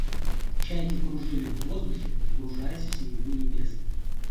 Чайки кружили в воздухе, погружаясь в синеву небес.